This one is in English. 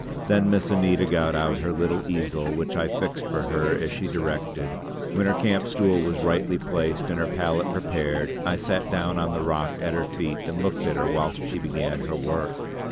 Then Miss Anita got out her little easel which I fixed for her as she directed; when her camp stool was rightly placed and her palette prepared I sat down on the rock at her feet and looked at her whilst she began her work.